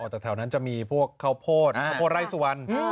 แต่แถวนั้นจะมีพวกข้าวโพดข้าวโพดไร่สุวรรณ